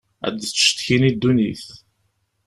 Ad d-ttcetkin i ddunit.